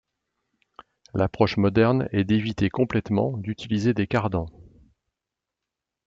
L'approche moderne est d'éviter complètement d'utiliser des cardans.